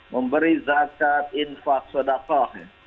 memberi zakat infaq sodakoh